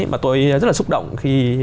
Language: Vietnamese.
mà tôi rất là xúc động khi